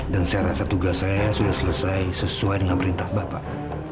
dan saya rasa tugas saya sudah selesai sesuai dengan perintah bapak